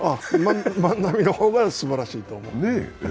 万波のホームランすばらしいと思う。